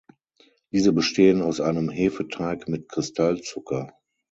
Diese bestehen aus einem Hefeteig mit Kristallzucker.